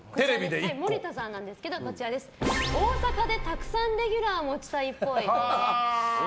森田さんなんですが大阪でたくさんレギュラー持ちたいっぽい。